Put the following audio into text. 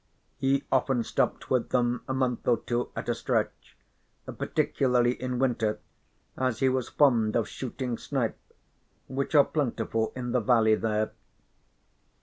He often stopped with them a month or two at a stretch, particularly in winter, as he was fond of shooting snipe, which are plentiful in the valley there.